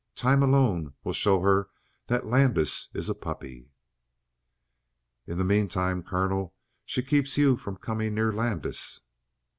Time alone will show her that Landis is a puppy." "In the meantime, colonel, she keeps you from coming near Landis?"